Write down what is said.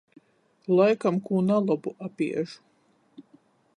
Laikam kū nalobu apiežu.